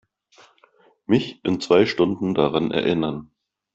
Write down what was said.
Mich in zwei Stunden daran erinnern.